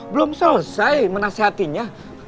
belum selesai menasihatinya